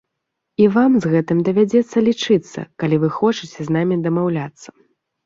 І вам з гэтым давядзецца лічыцца, калі вы хочаце з намі дамаўляцца.